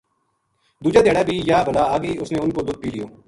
دُوجے دھیاڑے بھی یاہ بلا آ گئی اس نے اُنھ کو دُدھ پی لیو